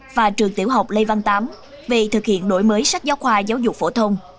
và trường tiểu học lê văn tám về thực hiện đổi mới sách giáo khoa giáo dục phổ thông